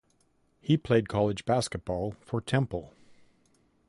He played college basketball for Temple.